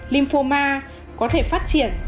lymphoma có thể phát triển trong